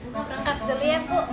buka perangkat geli ya bu